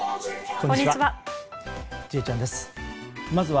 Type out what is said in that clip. こんにちは。